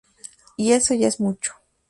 Y eso ya es mucho".